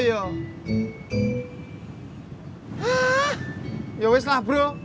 ya udah lah bro